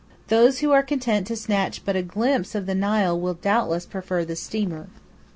Those who are content to snatch but a glimpse of the Nile will doubtless prefer the steamer.